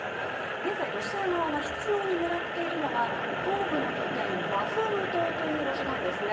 現在、ロシア側が執ように狙っているのが東部の拠点、バフムトというところなんですね。